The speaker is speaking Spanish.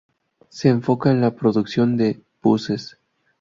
Se enfoca en la producción de buses